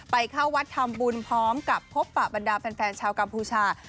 เข้าวัดทำบุญพร้อมกับพบปะบรรดาแฟนชาวกัมพูชา